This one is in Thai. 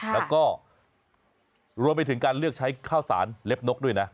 แล้วก็รวมไปถึงการเลือกใช้ข้าวสารเล็บนกด้วยนะ